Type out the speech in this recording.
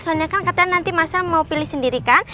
soalnya kan katanya nanti masa mau pilih sendiri kan